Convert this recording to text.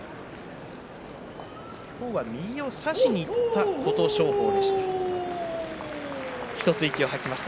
今日は右を差しにいった琴勝峰でした。